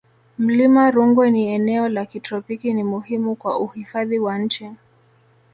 mlima rungwe ni eneo la kitropiki ni muhimu kwa uhifadhi wa nchi